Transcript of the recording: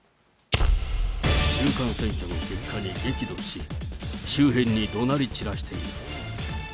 中間選挙の結果に激怒し、周辺にどなり散らしている。